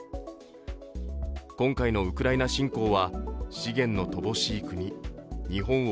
今回のウクライナ侵攻は、資源の乏しい国・日本を